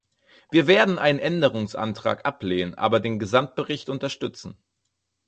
Wir werden einen Änderungsantrag ablehnen, aber den Gesamtbericht unterstützen.